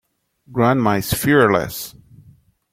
Grandma is fearless.